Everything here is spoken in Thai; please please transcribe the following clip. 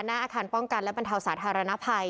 หน้าอาคารป้องกันและบรรเทาสาธารณภัย